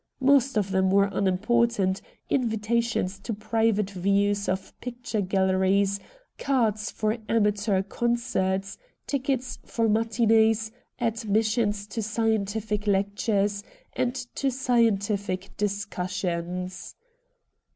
Most of them were unimportant — invitations to private views of picture galleries, cards for amateur concerts, tickets for matinees^ ad missions to scientific lectures and to scientific discussions.